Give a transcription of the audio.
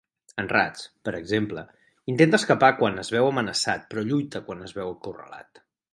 En Rats, per exemple, intenta escapar quan es veu amenaçat però lluita quan es veu acorralat.